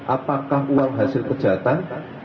apakah uang hasil kejahatan